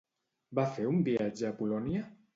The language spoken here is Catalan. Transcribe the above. Va fer un viatge a Polònia?